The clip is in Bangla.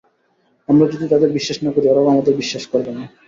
আমরা যদি তাদের বিশ্বাস না করি, ওরাও আমাদের বিশ্বাস করবে না।